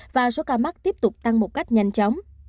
và số ca mắc tiếp tục tăng một cách nhanh chóng